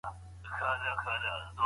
هلک لا هم په دروازه ټکانونه ورکول.